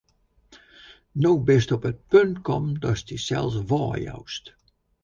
No bist op it punt kommen, datst dysels weijoust.